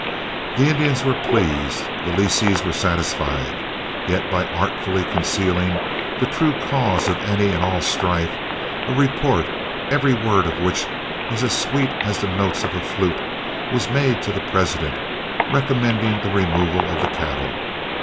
The Indians were pleased, the lessees were satisfied, yet by artfully concealing the true cause of any and all strife, a report, every word of which was as sweet as the notes of a flute, was made to the President, recommending the removal of the cattle.